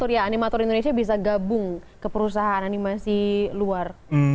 ya animator indonesia bisa gabung ke perusahaan animasi luar